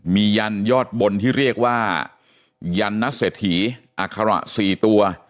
มียันยอดบนที่เรียกว่ายันนเศรษฐีอัคระ๔ตัว